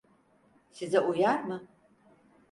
Size uyar mı?